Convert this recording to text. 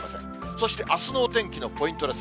そしてあすのお天気のポイントです。